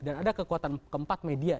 dan ada kekuatan keempat media